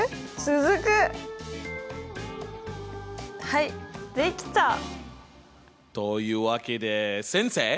はいできた！というわけで先生。